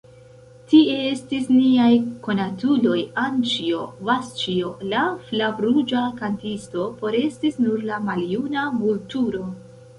Tie estis niaj konatuloj: Anĉjo, Vasĉjo, la flavruĝa kantisto; forestis nur la maljuna Vulturo.